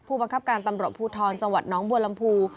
บังคับการตำรวจภูทรจังหวัดน้องบัวลำพู